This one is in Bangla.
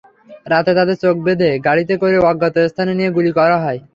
রাতে তাঁদের চোখ বেঁধে গাড়িতে করে অজ্ঞাত স্থানে নিয়ে গুলি করা হয়।